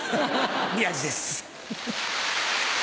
宮治です。